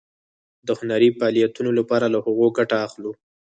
د هنري فعالیتونو لپاره له هغو ګټه اخلو.